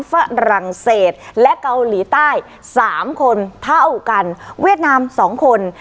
ฝรั่งเศสและเกาหลีใต้๓คนเท่ากันเวียดนาม๒คน